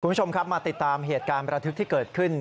คุณผู้ชมครับมาติดตามเหตุการณ์ประทึกที่เกิดขึ้น